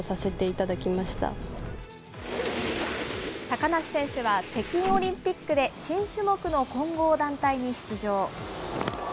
高梨選手は、北京オリンピックで新種目の混合団体に出場。